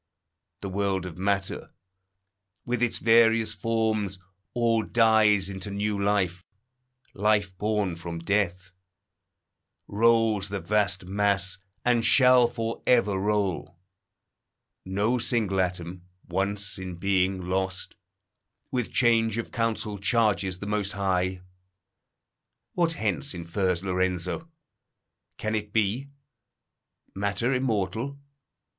The world of matter, with its various forms, All dies into new life. Life born from death Rolls the vast mass, and shall for ever roll. No single atom, once in being, lost, With change of counsel charges the Most High. What hence infers Lorenzo? Can it be? Matter immortal?